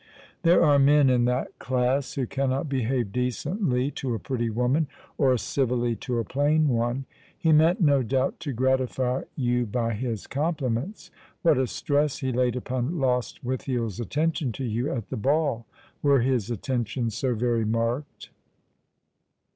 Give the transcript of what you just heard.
There are men in that class who cannot behave decently to a pretty woman, or civilly to a plain one. He meant no doubt to gratify you by his compliments. What a stress he laid upon Lostwithiel's attention to you at the ball. Were his attentions so very marked?"